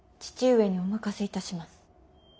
父上にお任せいたします。